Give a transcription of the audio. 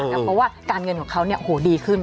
เพราะว่าการเงินของเขาเนี่ยโหดีขึ้น